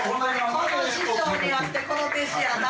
この師匠にあってこの弟子やな。